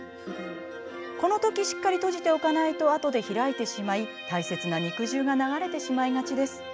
このときしっかりと閉じておかないとあとで開いてしまい大切な肉汁が流れてしまいがちです。